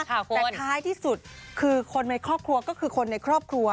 แต่ท้ายที่สุดคือคนในครอบครัวก็คือคนในครอบครัว